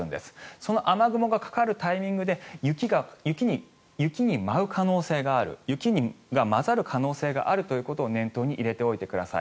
その雨雲がかかるタイミングで雪が舞う可能性がある雪が交ざる可能性があるということを念頭に入れておいてください。